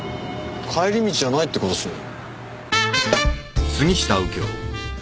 帰り道じゃないって事ですね。